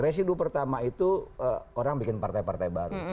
residu pertama itu orang bikin partai partai baru